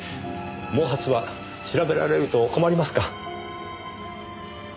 毛髪は調べられると困りますか？